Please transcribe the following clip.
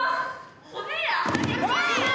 骨や。